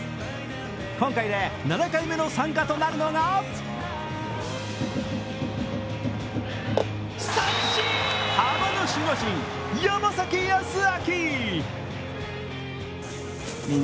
今回で７回目の参加となるのがハマの守護神山崎康晃。